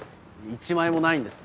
１枚もないんです。